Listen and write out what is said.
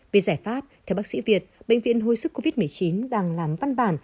về giải pháp theo bác sĩ việt bệnh viện hồi sức covid một mươi chín đang làm văn bản